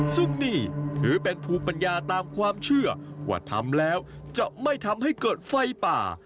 ซึ่งนี่ถือเป็นภูมิปัญญาตามความเชื่อว่าทำแล้วจะไม่ทำให้เกิดไฟป่า